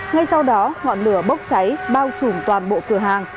ngay sau đó ngọn lửa bốc cháy bao trùm toàn bộ cửa hàng